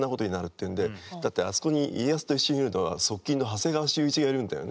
だってあそこに家康と一緒にいるのは側近の長谷川秀一がいるんだよね。